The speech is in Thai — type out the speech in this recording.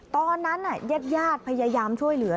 ตอนนั้นญาติพยายามช่วยเหลือ